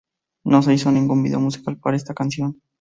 No se hizo ningún vídeo musical para esta canción.